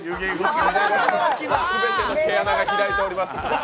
全ての毛穴が開いております。